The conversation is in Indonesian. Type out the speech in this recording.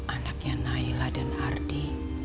anaknya naila dan ardi